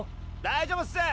大丈夫っす！